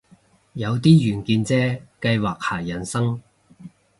有啲遠見啫，計劃下人生